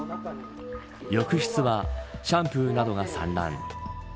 浴室はシャンプーなどが散乱。